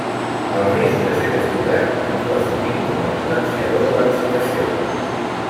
El risc de ser descobert actua, sovint, com a potenciador de l'excitació.